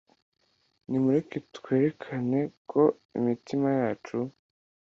” Nimureke twerekane ko imitima yacu